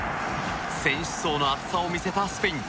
選手層の厚さを見せたスペイン。